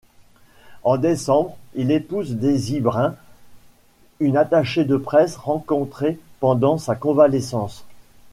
En décembre, il épouse Daisy Brun, une attachée de presse rencontrée pendant sa convalescence.